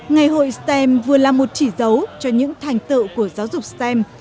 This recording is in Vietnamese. ngày hội stem vừa là một chỉ dấu cho những thành tựu của giáo dục stem